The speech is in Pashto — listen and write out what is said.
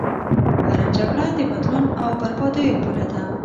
هره جګړه د بدلون او بربادیو پوله ده.